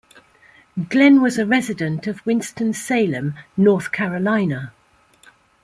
Glenn was a resident of Winston-Salem, North Carolina.